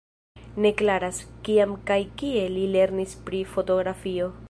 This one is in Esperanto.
Ne klaras, kiam kaj kie li lernis pri fotografio.